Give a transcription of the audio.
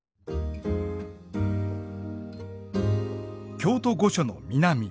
京都御所の南。